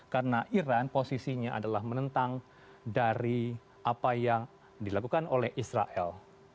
karena iran posisinya adalah menentang dari apa yang dilakukan oleh israel